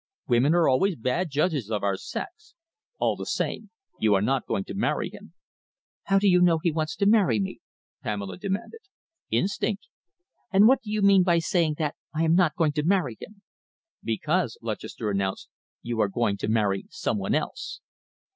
"Women are always bad judges of our sex. All the same, you are not going to marry him." "How do you know he wants to marry me?" Pamela demanded. "Instinct!" "And what do you mean by saying that I am not going to marry him?" "Because," Lutchester announced, "you are going to marry some one else."